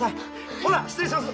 ほな失礼します。